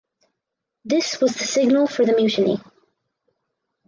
This was the signal for the mutiny.